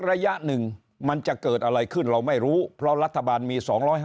ระยะหนึ่งมันจะเกิดอะไรขึ้นเราไม่รู้เพราะรัฐบาลมี๒๕๕